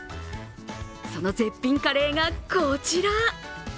その絶品カレーがこちら。